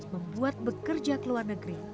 membuat bekerja keluar negeri